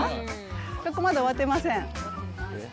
学校まだ終わってません。